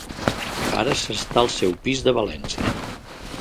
Ara s'està al seu pis de València.